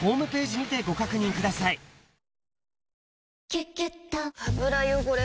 「キュキュット」油汚れ